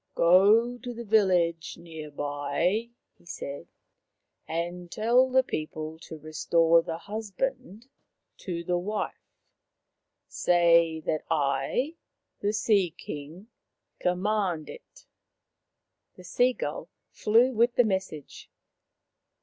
" Go to the village near by," he said, " and tell the people to restore the husband to the wife. Say that I, the Sea king, command it." The sea gull flew with the message.